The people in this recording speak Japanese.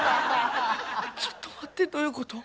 ちょっと待ってどういうこと？